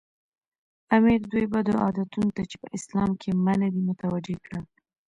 امیر دوی بدو عادتونو ته چې په اسلام کې منع دي متوجه کړل.